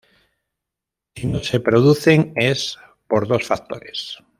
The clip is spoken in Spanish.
Si no se producen es por dos factores.